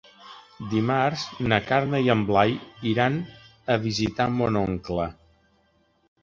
Dimarts na Carla i en Blai iran a visitar mon oncle.